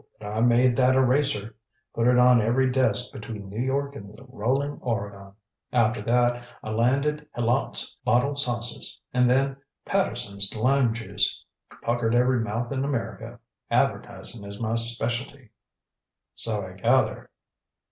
But I made that eraser. Put it on every desk between New York and the rolling Oregon. After that I landed Helot's Bottled Sauces. And then Patterson's Lime Juice. Puckered every mouth in America. Advertising is my specialty." "So I gather."